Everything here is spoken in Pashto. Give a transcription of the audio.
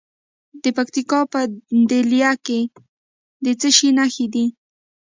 د پکتیکا په دیله کې د څه شي نښې دي؟